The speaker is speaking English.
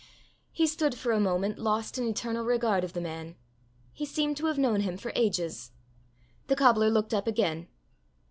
He stood for a moment lost in eternal regard of the man. He seemed to have known him for ages. The cobbler looked up again.